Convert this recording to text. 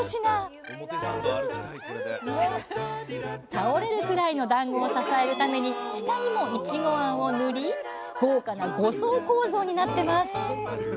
倒れるくらいのだんごを支えるために下にもいちごあんを塗り豪華な５層構造になってます